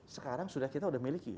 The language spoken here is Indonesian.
sekarang sudah kita udah miliki